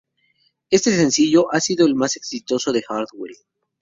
Este sencillo ha sido el más exitoso de Hardwell.